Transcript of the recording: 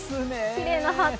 きれいなハート。